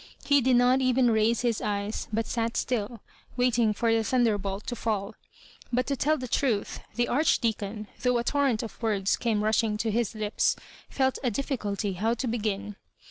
He did not even raise his eyes, but sat still, waiting for the thunderbolt to fall But to tell the truth, the Archdeacon, though a torrent of words came rushing to his lips, felt a difficulty bow to b^;in.